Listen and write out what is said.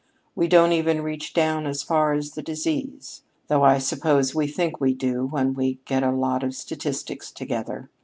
We don't even reach down as far as the disease though I suppose we think we do when we get a lot of statistics together.